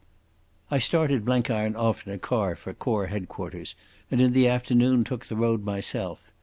I started Blenkiron off in a car for Corps Headquarters, and in the afternoon took the road myself.